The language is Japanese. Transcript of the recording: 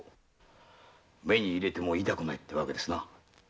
目に入れても痛くないというわけですな。